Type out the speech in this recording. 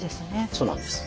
そうなんです。